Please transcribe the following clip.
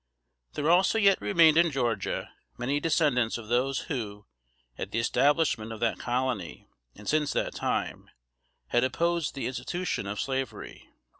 There also yet remained in Georgia many descendants of those who, at the establishment of that colony and since that time, had opposed the institution of Slavery.